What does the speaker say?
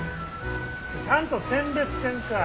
ちゃんと選別せんかい！